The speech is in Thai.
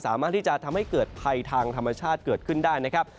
สามารถที่จะทำให้เกิดภัยทางธรรมชาติเกิดขึ้นได้นะครับ